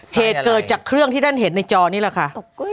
เหตุเกิดจากเครื่องที่ท่านเห็นในจอนี่แหละค่ะ